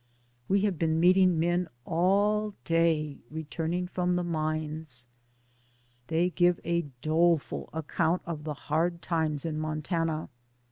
We have been meeting men all day returning from the mines. They give a doleful ac count of the hard times in Montana.